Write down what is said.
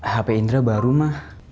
hp indra baru ma